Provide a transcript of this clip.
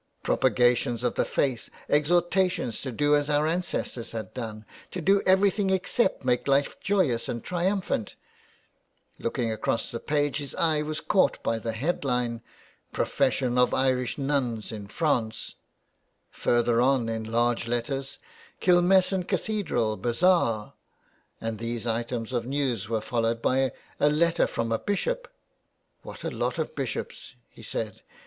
Propagations of the faith, exhor tations to do as our ancestors had done, to do everything except make life joyous and triumphant." Looking across the page his eye was caught by the 343 THE WILD GOOSE. headline, *' Profession of Irish Nuns in France." Further on in large letters, '' Killmessan Cathedral : Bazaar." And these items of news were followed by a letter from a Bishop. '' What a lot of Bishops !" he said.